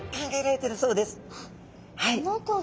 はい。